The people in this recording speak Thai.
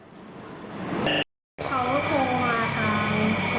เขาโทรมาทางโทรศัพท์ค่ะเพื่อเขาถือกลุงทางเฟส